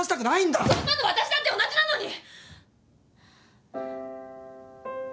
そんなのわたしだって同じなのに！